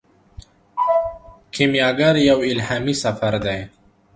کیمیاګر یو الهامي سفر دی.